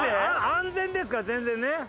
安全ですから全然ね。